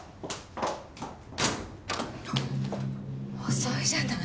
・遅いじゃない。